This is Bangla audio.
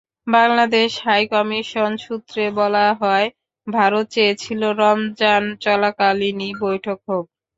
বাংলাদেশ হাইকমিশন সূত্রে বলা হয়, ভারত চেয়েছিল রমজান চলাকালীনই বৈঠক হোক।